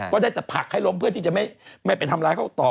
ได้แต่ผลักให้ล้มเพื่อที่จะไม่ไปทำร้ายเขาต่อ